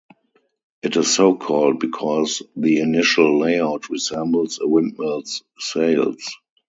It is so called because the initial layout resembles a windmill's sails.